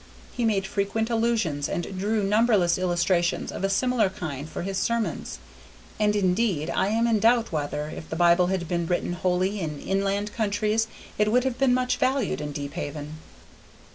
He made frequent allusions and drew numberless illustrations of a similar kind for his sermons, and indeed I am in doubt whether, if the Bible had been written wholly in inland countries, it would have been much valued in Deephaven.